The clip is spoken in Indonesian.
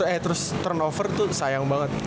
eh terus turnover tuh sayang banget